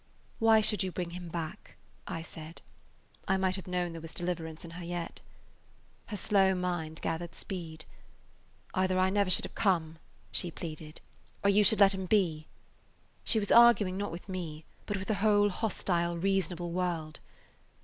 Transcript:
"Why should you bring him back?" I said. I might have known there was deliverance in her yet. Her slow mind gathered speed. "Either I never should have come," she pleaded, "or you should let him be." She was arguing not with me, but with the whole hostile, reasonable world.